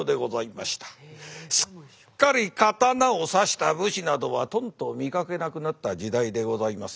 すっかり刀を差した武士などはとんと見かけなくなった時代でございます。